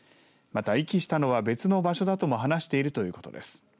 また、遺棄したのは別の場所だとも話しているということです。